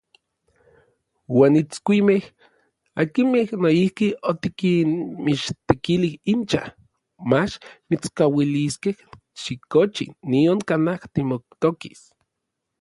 Uan itskuimej, akinmej noijki otikinmichtekili incha, mach mitskauiliskej xikochi nion kanaj timotokis.